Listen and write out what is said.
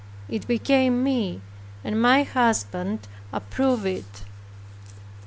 It became me, and my husband approved it.